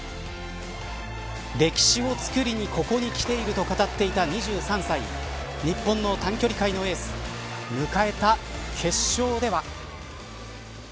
歴史を作りにここに来ていると語っていた２３歳日本の短距離界のエース迎えた決勝では。